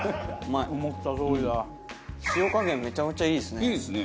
塩加減めちゃめちゃいいですね。